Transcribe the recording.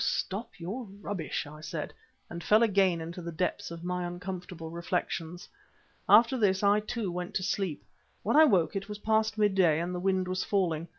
stop your rubbish," I said, and fell again into the depths of my uncomfortable reflections. After this I, too, went to sleep. When I woke it was past midday and the wind was falling.